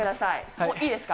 もういいですか。